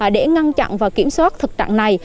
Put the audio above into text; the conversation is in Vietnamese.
để ngăn chặn và kiểm soát thực trạng này